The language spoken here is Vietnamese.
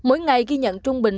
mỗi ngày ghi nhận trung bình